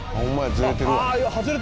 ずれてるわ。